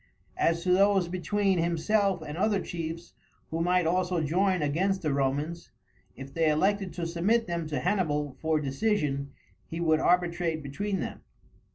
As to those between himself and other chiefs, who might also join against the Romans, if they elected to submit them to Hannibal for decision he would arbitrate between them.